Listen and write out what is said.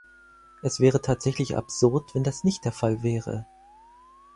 Es wäre tatsächlich absurd, wenn das nicht der Fall wäre.